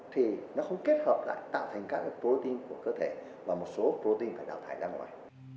thì nó không kết hợp lại tạo thành các protein của cơ thể và một số protein phải đào thải ra ngoài